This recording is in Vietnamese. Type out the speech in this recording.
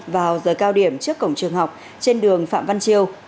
vào giờ cao điểm trước cổng trường học trên đường phạm văn chiêu